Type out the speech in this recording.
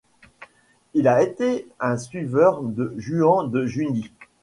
Il a été un suiveur de Juan de Juni.